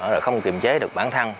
rồi không tìm chế được bản thân